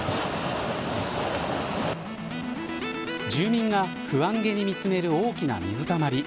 住民が不安気に見つめる大きな水たまり。